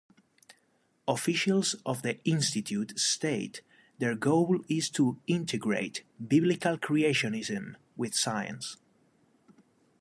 Officials of the institute state their goal is to integrate Biblical creationism with science.